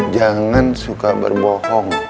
jangan suka berbohong